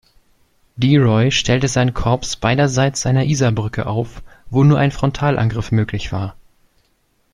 Deroy stellte sein Korps beiderseits einer Isarbrücke auf, wo nur ein Frontalangriff möglich war.